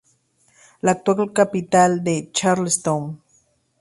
La actual capital es Charlestown.